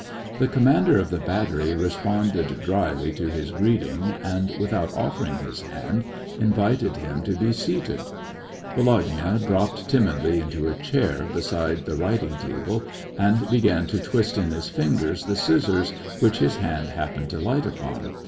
The commander of the battery responded dryly to his greeting, and, without offering his hand, invited him to be seated. Volodya dropped timidly into a chair, beside the writing table, and began to twist in his fingers the scissors, which his hand happened to light upon.